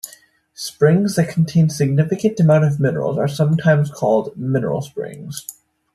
Springs that contain significant amounts of minerals are sometimes called 'mineral springs'.